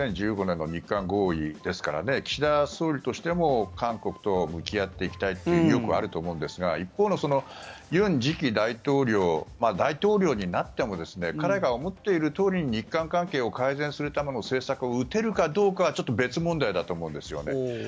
２０１５年の日韓合意ですから岸田総理としても韓国と向き合っていきたいという意欲はあると思うんですが一方の尹次期大統領大統領になっても彼が思っているとおりに日韓関係を改善するための政策を打てるかどうかは別問題だと思うんですよね。